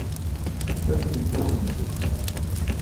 Fakkent-asent-t.